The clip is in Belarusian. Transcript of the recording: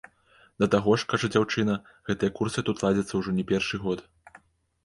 Да таго ж, кажа дзяўчына, гэтыя курсы тут ладзяцца ўжо не першы год.